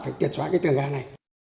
phải triệt xóa cái trường gà này